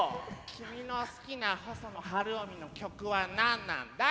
君の好きな細野晴臣の曲は何なんだい？